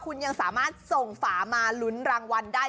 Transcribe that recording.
คุณยังสามารถส่งฝามาลุ้นรางวัลได้